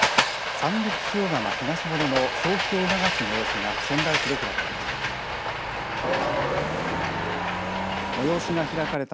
三陸塩竈ひがしものの消費を促す催しが仙台市で開かれました。